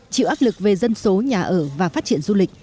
chịu áp lực về dân số nhà ở và phát triển du lịch